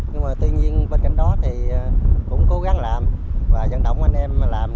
nhưng mà tuy nhiên bên cạnh đó thì cũng cố gắng làm và dẫn động anh em làm